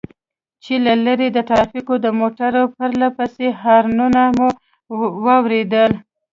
چې له لرې د ټرافيکو د موټر پرله پسې هارنونه مو واورېدل.